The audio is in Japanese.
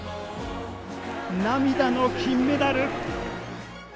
涙の金メダル。